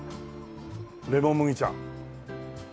レモン麦茶。